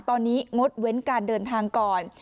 ตอนนี้งดเว้นการเดินทางก่อน